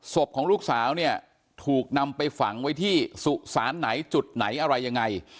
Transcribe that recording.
ของลูกสาวเนี่ยถูกนำไปฝังไว้ที่สุสานไหนจุดไหนอะไรยังไง